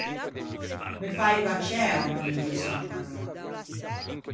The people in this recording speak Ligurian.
Me paiva ciæo che me voësan parlâ.